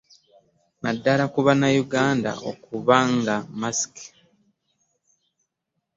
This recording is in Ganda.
Naddala ku Bannayuganda okuba nga masiki